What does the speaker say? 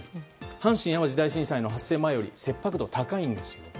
阪神・淡路大震災の発生前より切迫度が高いんです。